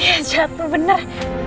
iya jatuh benar